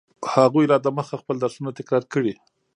هغوی لا دمخه خپل درسونه تکرار کړي.